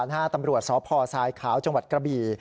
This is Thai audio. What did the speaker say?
หน้าตำรวจสภสายขาวจกระบี